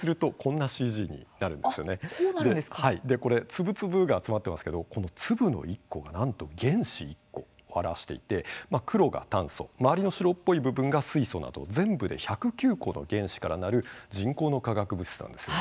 粒々が集まってますけどこの粒の１個が、なんと原子１個を表していて黒が炭素周りの白っぽい部分が水素など全部で１０９個の原子からなる人工の化学物質なんです。